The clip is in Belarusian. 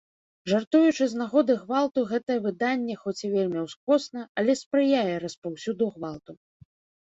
Жартуючы з нагоды гвалту гэтае выданне, хоць і вельмі ўскосна, але спрыяе распаўсюду гвалту.